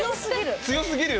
強すぎる。